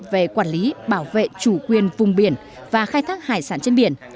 về quản lý bảo vệ chủ quyền vùng biển và khai thác hải sản trên biển